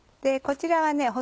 こちらはね